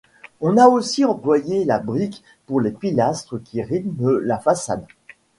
On y a aussi employé la brique pour les pilastres qui rythment la façade.